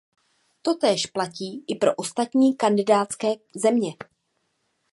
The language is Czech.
Totéž platí i pro ostatní kandidátské země.